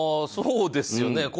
そうですよね。